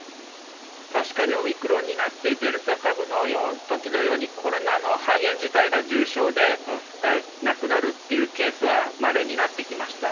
確かにオミクロンになって、デルタ株のときのように、コロナの肺炎自体が重症で亡くなるっていうケースは、まれになってきました。